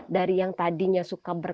dari yang tadinya suka